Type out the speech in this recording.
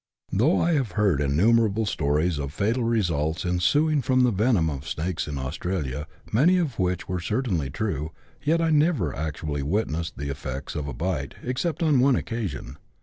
Though I have heard innumerable stories of fatal results en suing from the venom of snakes in Australia, many of which were certainly true, yet I never actually witnessed the effects of a bite, except on one occasion.